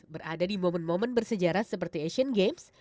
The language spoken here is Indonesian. berada di momen momen bersejarah seperti asian games